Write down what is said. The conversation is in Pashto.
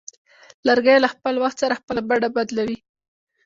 لرګی له وخت سره خپل بڼه بدلوي.